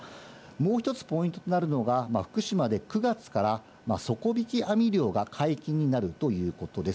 もう１つポイントとなるのが、福島で９月から底引き網漁が解禁になるということです。